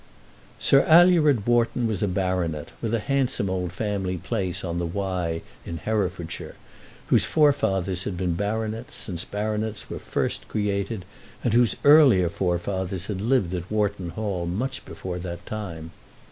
Sir Alured Wharton was a baronet, with a handsome old family place on the Wye in Herefordshire, whose forefathers had been baronets since baronets were first created, and whose earlier forefathers had lived at Wharton Hall much before that time.